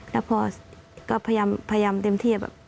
แล้วพอก็พยายามเต็มที่